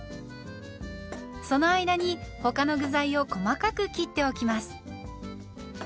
その間に他の具材を細かく切っておきます。